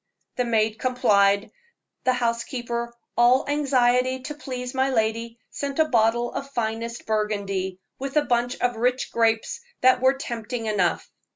The maid complied. The housekeeper, all anxiety to please my lady, sent a bottle of finest Burgundy, with a bunch of rich grapes that were tempting enough.